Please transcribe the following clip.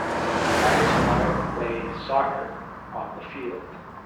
Guys are play soccer on the field.